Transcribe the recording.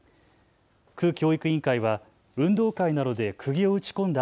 区教育委員会は運動会などでくぎを打ち込んだ